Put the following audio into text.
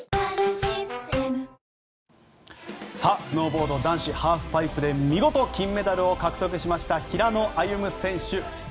スノーボード男子ハーフパイプで見事金メダルを獲得した平野歩夢選手。